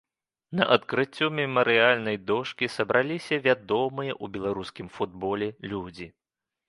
На адкрыццё мемарыяльнай дошкі сабраліся вядомыя ў беларускім футболе людзі.